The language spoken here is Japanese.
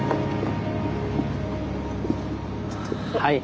はい。